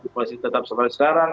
koalisi tetap seperti sekarang